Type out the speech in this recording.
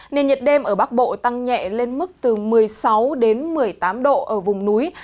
nên nhiệt đêm ở bắc bộ tăng nhẹ lên mức từ một mươi sáu đến một mươi tám độ ở vùng núi